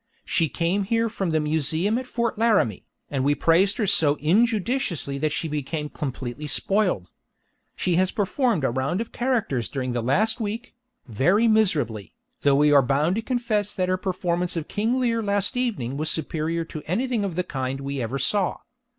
She came here from the Museum at Fort Laramie, and we praised her so injudiciously that she became completely spoiled. She has performed a round of characters during the last week, very miserably, though we are bound to confess that her performance of King Lear last evening was superior to anything of the kind we ever saw.